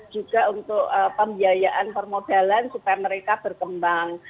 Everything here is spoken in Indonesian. juga untuk pembiayaan permodalan supaya mereka berkembang